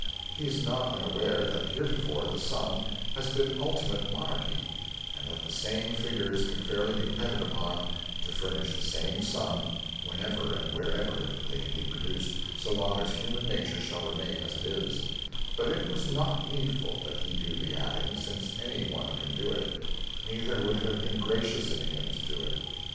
He is not unaware that heretofore the sum has been ultimate monarchy, and that the same figures can fairly be depended upon to furnish the same sum whenever and wherever they can be produced, so long as human nature shall remain as it is; but it was not needful that he do the adding, since any one can do it; neither would it have been gracious in him to do it.